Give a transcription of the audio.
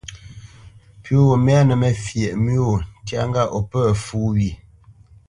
Pʉ̌ gho mɛnə́ məfyeʼ mú gho ntyá ŋgâʼ o pə̂ fú wye.